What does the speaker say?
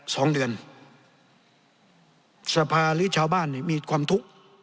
สองเดือนสภาหรือชาวบ้านนี่มีความทุกข์